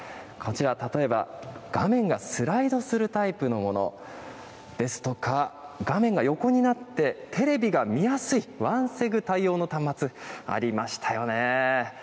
こちら、例えば、画面がスライドするタイプのものですとか、画面が横になってテレビが見やすい、ワンセグ対応の端末、ありましたよね。